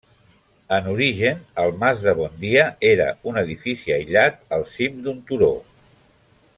En origen, el Mas de Bondia era un edifici aïllat, al cim d'un turó.